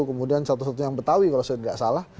kemudian satu satunya yang betawi kalau saya tidak salah